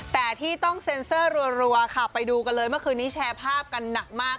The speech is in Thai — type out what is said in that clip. แต่ที่ต้องเซ็นเซอร์รัวค่ะไปดูกันเลยเมื่อคืนนี้แชร์ภาพกันหนักมาก